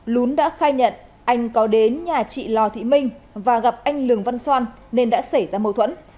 lún đã khai nhận anh có đến nhà chị lò thị minh và gặp anh lường văn xoan nên đã xảy ra mâu thuẫn